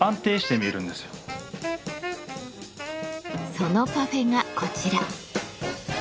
そのパフェがこちら。